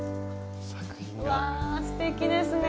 うわすてきですね。